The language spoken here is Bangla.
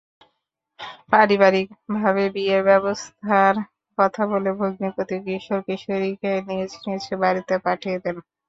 পারিবারিকভাবে বিয়ের ব্যবস্থার কথা বলে ভগ্নিপতি কিশোর-কিশোরীকে নিজ নিজ বাড়িতে পাঠিয়ে দেন।